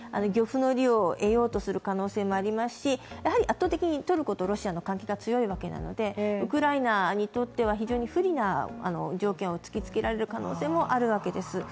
漁夫の利を得ようとする可能性もありますし圧倒的にトルコとロシアの関係が強いわけなので、ウクライナにとっては非常に不利な条件を突きつけられる可能性はあるわけです。